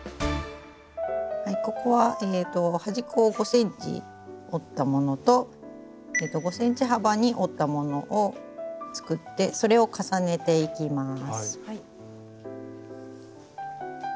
ここは端っこを５ｃｍ折ったものと５ｃｍ幅に折ったものを作ってそれを重ねていきます。